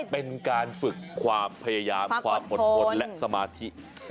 เป็นการฝึกความพยายามความอดทนและสมาธิ